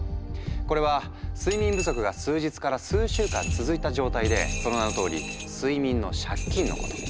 これは睡眠不足が数日から数週間続いた状態でその名のとおり「睡眠の借金」のこと。